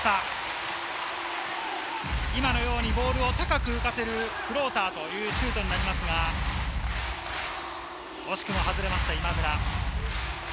今のようにボールを高く浮かせるフローターというシュートになりますが、惜しくも外れました、今村。